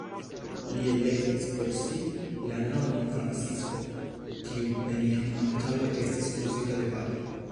Li elektis por si la nomon Francisko, kiu neniam antaŭe estis uzita de papo.